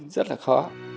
rất là khó